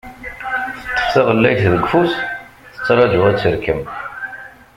Teṭṭef taɣellayt deg ufus, tettraju ad terkem.